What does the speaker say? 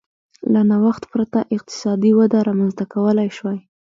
له نوښت پرته اقتصادي وده رامنځته کولای شوای